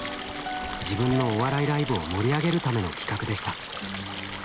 自分のお笑いライブを盛り上げるための企画でした。